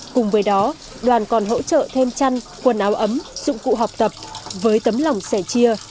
cùng với đó đoàn còn hỗ trợ thêm chăn quần áo ấm dụng cụ học tập với tấm lòng sẻ chia